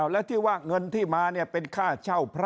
แล้วที่ว่าเงินที่มาเป็นค่าเช่าพระ